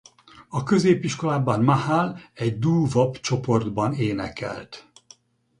A középiskolában Mahal egy doo-wop csoportban énekelt.